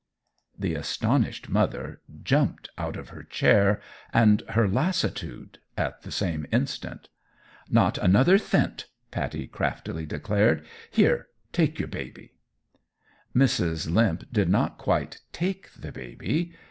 The astonished mother jumped out of her chair and her lassitude at the same instant. "Not another thent!" Pattie craftily declared. "Here take your baby." Mrs. Limp did not quite take the baby.